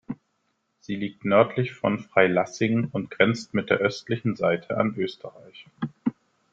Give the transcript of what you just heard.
Sie liegt nördlich von Freilassing und grenzt mit der östlichen Seite an Österreich.